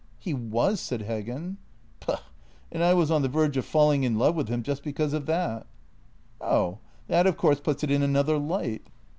" He was," said Heggen. " Pugh! And I was on the verge of falling in love with him just because of that." " Oh ! That of course puts it in another light."